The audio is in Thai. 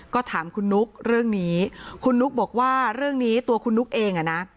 ก็ถามคุณนุ๊กเรื่องนี้คุณนุ๊กบอกว่าเรื่องนี้ตัวคุณนุ๊กเองอ่ะนะ